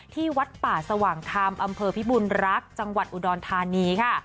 ที่วัดป่าสว่างธรรมอำเภอพิบุญรักษ์จังหวัดอุดรธานีค่ะ